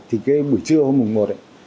thì cái buổi trưa hôm mùng một ấy